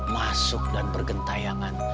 masuk dan bergentayangan